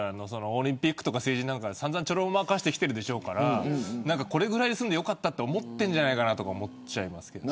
オリンピックや政治なんかはちょろまかしてきているでしょうからこれぐらいで済んでよかったと思っているのではないかと思っちゃいます。